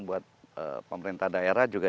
buat pemerintah daerah juga